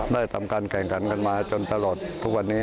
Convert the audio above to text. ได้ทำการแข่งขันกันมาจนตลอดทุกวันนี้